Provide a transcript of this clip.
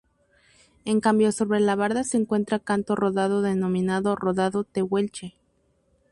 En cambio sobre la barda se encuentra canto rodado denominado rodado tehuelche.